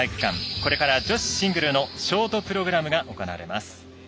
これから女子シングルのショートプログラムが行われます。